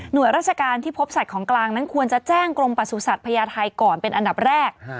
โดยราชการที่พบสัตว์ของกลางนั้นควรจะแจ้งกรมประสุทธิ์พญาไทยก่อนเป็นอันดับแรก